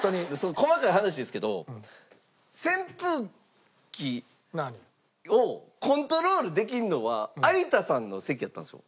細かい話ですけど扇風機をコントロールできるのは有田さんの席やったんですよ。